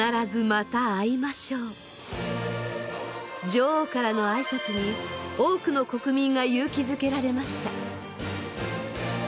女王からの挨拶に多くの国民が勇気づけられました。